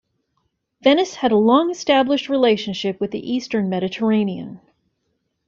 Venice had a long-established relationship with the Eastern Mediterranean.